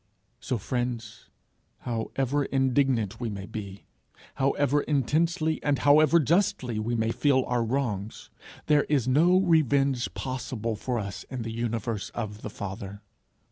So, friends, how ever indignant we may be, however intensely and however justly we may feel our wrongs, there is no revenge possible for us in the universe of the Father.